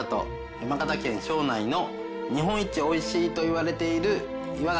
山形県庄内の日本一美味しいといわれている岩ガキです。